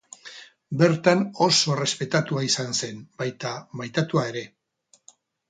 Bertan oso errespetatua izan zen, baita maitatua ere.